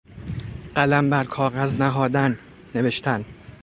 قلم بر کاغذ نهادن، نوشتن